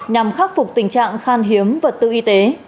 nhằm khắc phục tình trạng khan hiếm vật tư y tế